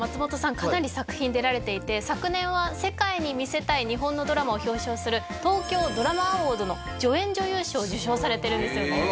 かなり作品出られていて昨年は世界に見せたい日本のドラマを表彰する東京ドラマアウォードの助演女優賞を受賞されてるんですあら